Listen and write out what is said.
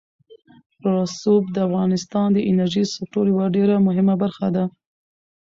رسوب د افغانستان د انرژۍ سکتور یوه ډېره مهمه برخه ده.